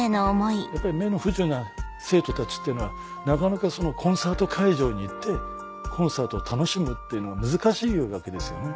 目の不自由な生徒たちっていうのはコンサート会場に行ってコンサートを楽しむっていうのが難しいわけですよね。